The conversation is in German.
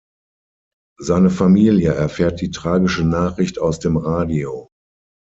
Seine Familie erfährt die tragische Nachricht aus dem Radio.